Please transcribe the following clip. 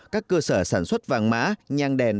các cơ sở sản xuất vàng mã nhang đèn